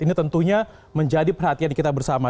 ini tentunya menjadi perhatian kita bersama